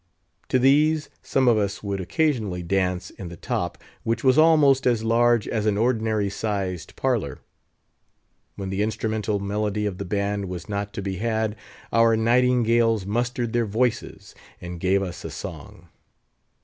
To these, some of us would occasionally dance in the top, which was almost as large as an ordinary sized parlour. When the instrumental melody of the band was not to be had, our nightingales mustered their voices, and gave us a song.